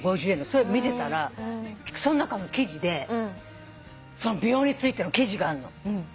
それ見てたらその中の記事で美容についての記事があんの。